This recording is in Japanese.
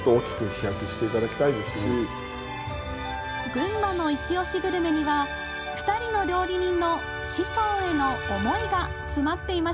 群馬のイチオシグルメには２人の料理人の師匠への思いが詰まっていました。